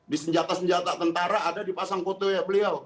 di senjata senjata tentara ada dipasang foto beliau